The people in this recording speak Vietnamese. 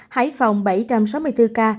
hải phòng bảy trăm sáu mươi bốn ca